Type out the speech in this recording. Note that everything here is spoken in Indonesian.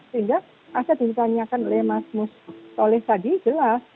sehingga aset ditanyakan oleh mas mus oleh tadi jelas